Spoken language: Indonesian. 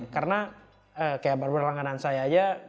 karena kayak barber langganan saya aja